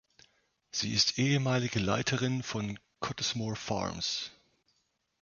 Sie ist ehemalige Leiterin von Cottesmore Farms.